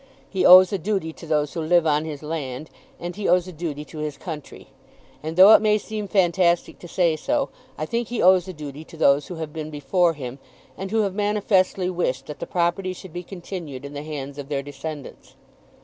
He owes a duty to those who live on his land, and he owes a duty to his country. And, though it may seem fantastic to say so, I think he owes a duty to those who have been before him, and who have manifestly wished that the property should be continued in the hands of their descendants.